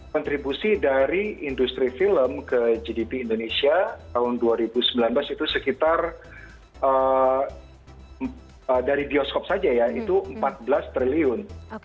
kontribusi dari industri film ke gdp indonesia tahun dua ribu sembilan belas itu sekitar dari bioskop saja ya itu empat belas triliun